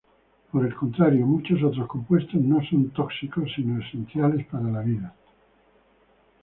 Por el contrario, muchos otros compuestos no son tóxicos sino esenciales para la vida.